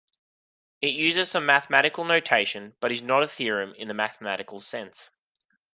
It uses some mathematical notation but is not a theorem in the mathematical sense.